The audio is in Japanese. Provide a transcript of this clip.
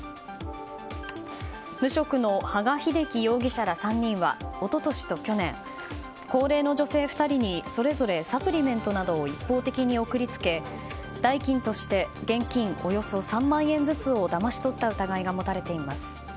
無職の羽賀秀樹容疑者ら３人は一昨年と去年高齢の女性２人にそれぞれサプリメントなどを一方的に送り付け、代金として現金およそ３万円ずつをだまし取った疑いが持たれています。